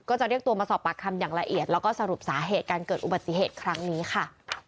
จะเรียกตัวมาสอบปากคำอย่างละเอียดแล้วก็สรุปสาเหตุการเกิดอุบัติเหตุครั้งนี้ค่ะ